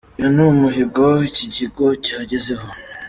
Uyu ni umuhigo iki kigo cyagezeho”.